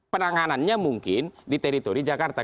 penanganannya mungkin di teritori jakarta